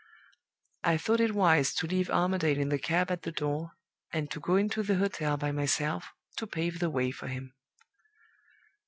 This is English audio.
I thought it wise to leave Armadale in the cab at the door, and to go into the hotel by myself to pave the way for him.